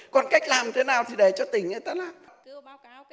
còn cách làm thế nào thì để cho tỉnh người ta làm